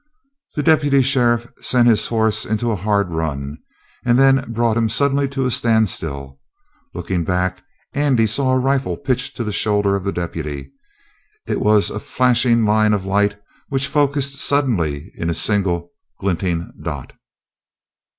The deputy sheriff sent his horse into a hard run, and then brought him suddenly to a standstill. Looking back, Andy saw a rifle pitch to the shoulder of the deputy. It was a flashing line of light which focused suddenly in a single, glinting dot.